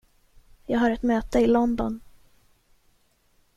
Jag har ett möte i London.